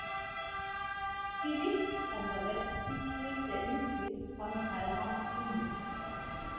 Sie liegt an der Westküste der Insel am Kalmarsund.